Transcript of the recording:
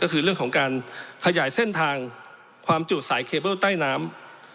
ก็คือเรื่องของการขยายเส้นทางความจุสายเคเบิ้ลใต้น้ำ